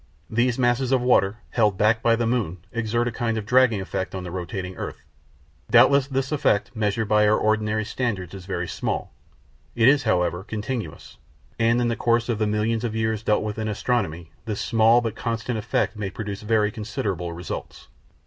These masses of water, held back by the moon, exert a kind of dragging effect on the rotating earth. Doubtless this effect, measured by our ordinary standards, is very small; it is, however, continuous, and in the course of the millions of years dealt with in astronomy, this small but constant effect may produce very considerable results.